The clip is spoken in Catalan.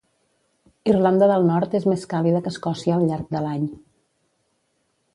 Irlanda del Nord és més càlida que Escòcia al llarg de l'any.